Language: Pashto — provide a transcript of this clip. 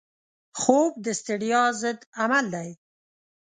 خوب د ستړیا ضد عمل دی